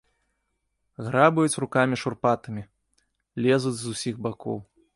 Грабаюць рукамі шурпатымі, лезуць з усіх бакоў.